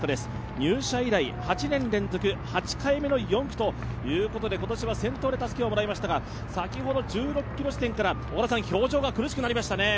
入社以来８年連続８回目の４区ということで今年は先頭でたすきをもらいましたが、先ほど１６ｋｍ地点から表情が苦しくなりましたね。